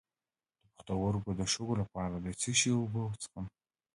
د پښتورګو د شګو لپاره د څه شي اوبه وڅښم؟